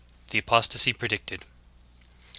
THE APOSTASY PREDICTED. 1.